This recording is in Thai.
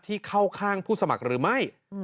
ที่เข้าข้างผู้สมัครหรือไม่